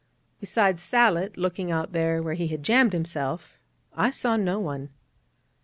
Besides Sallitt, looking out there where he had jammed himself, I saw no one.